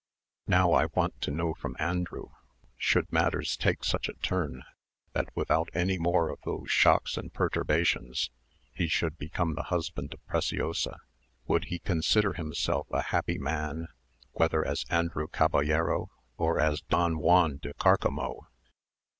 Now I want to know from Andrew, should matters take such a turn, that without any more of those shocks and perturbations, he should become the husband of Preciosa, would he consider himself a happy man, whether as Andrew Caballero, or as Don Juan de Cárcamo?"